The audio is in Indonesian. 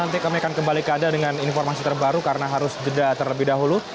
nanti kami akan kembali ke anda dengan informasi terbaru karena harus jeda terlebih dahulu